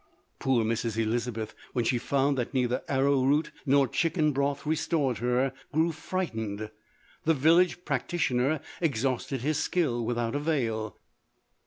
Poor Mrs. Elizabeth, when she found that neither arrow root nor chicken broth restored her, grew frightened — the vil lage practitioner exhausted his skill without avail.